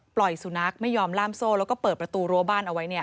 สุนัขไม่ยอมล่ามโซ่แล้วก็เปิดประตูรั้วบ้านเอาไว้เนี่ย